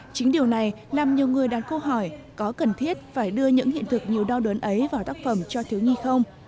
chính điều này làm nhiều người đặt câu hỏi có cần thiết phải đưa những hiện thực nhiều đau đớn ấy vào tác phẩm cho thiếu nhi không